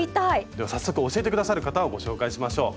では早速教えて下さる方をご紹介しましょう。